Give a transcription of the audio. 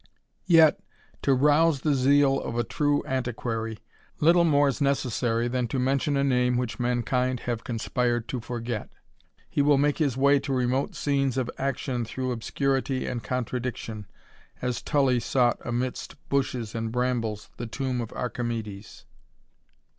Yet, to rouse the zeal of a true antiquary, little more is necessary than to mention a name which mankind have conspired to forget; he will make his way to remote scenes of action through obscurity and contradiction, as Tully sought amidst bushes and brambles the tomb of Archimedes.